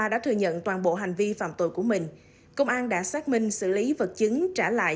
đã thừa nhận toàn bộ hành vi phạm tội của mình công an đã xác minh xử lý vật chứng trả lại